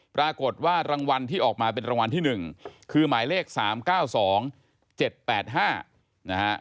ปรากฏว่ารางวัลที่ออกมาเป็นรางวัลที่๑คือหมายเลข๓๙๒๗๘๕นะฮะ